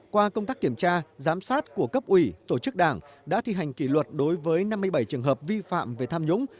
qua công tác kiểm tra giám sát của cấp ủy tổ chức đảng đã thi hành kỷ luật đối với năm mươi bảy trường hợp vi phạm về tham nhũng